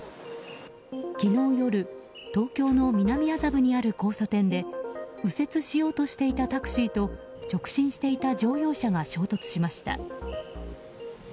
昨日夜東京の南麻布にある交差点で右折しようとしていたタクシーと直進していた乗用車が衝突しました。